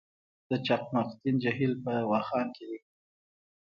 د چقمقتین جهیل په واخان کې دی